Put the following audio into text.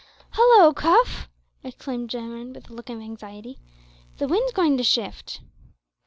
"Hallo! Cuff," exclaimed Jarwin, with a look of anxiety, "the wind's going to shift."